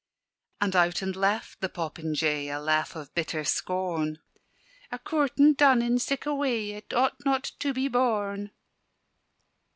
And out and laughed the popinjay, A laugh of bitter scorn: "A coortin' done in sic' a way, It ought not to be borne!"